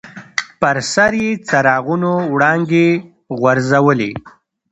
پر سر یې څراغونو وړانګې غورځولې.